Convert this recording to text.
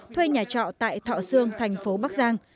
thuê nhà trọ tại thọ sương thành phố bắc giang